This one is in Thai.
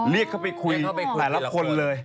เรียกเขาไปคุยหลายละคนเลย